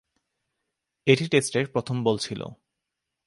এটি টেস্টের প্রথম বল ছিল।